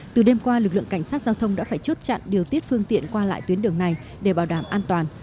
từ đêm qua lực lượng cảnh sát giao thông đã phải chốt chặn điều tiết phương tiện qua lại tuyến đường này để bảo đảm an toàn